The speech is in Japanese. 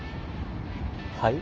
はい？